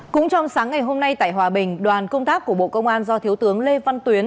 cũng trong sáng ngày hôm nay tại hòa bình đoàn công tác của bộ công an do thiếu tướng lê văn tuyến